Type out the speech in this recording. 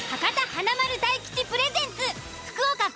華丸・大吉プレゼンツ。